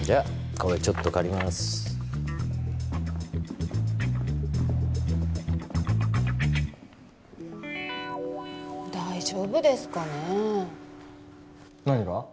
これちょっと借ります大丈夫ですかね何が？